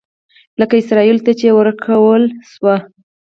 لکه اسرائیلو ته چې ورکړل شوي.